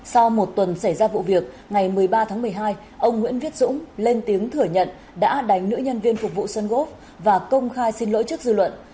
sau một tuần xảy ra vụ việc ngày một mươi ba tháng một mươi hai ông nguyễn viết dũng lên tiếng thừa nhận đã đánh nữ nhân viên phục vụ xuân góp và công khai xin lỗi chức dư luận